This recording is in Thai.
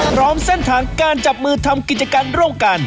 พร้อมเส้นทางการจับมือทำกิจกรรมร่วมกัน